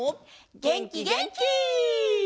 げんきげんき！